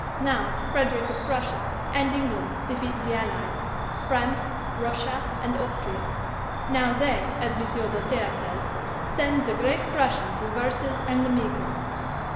Now, Frederick of Prussia and England defeat the allies, France, Russia, and Austria; now, they, as Monsieur Doltaire says, "send the great Prussian to verses and the megrims."